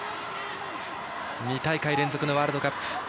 ２大会連続のワールドカップ。